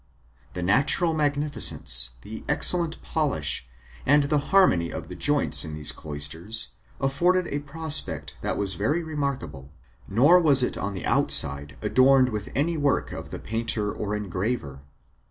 The natural magnificence, and excellent polish, and the harmony of the joints in these cloisters, afforded a prospect that was very remarkable; nor was it on the outside adorned with any work of the painter or engraver.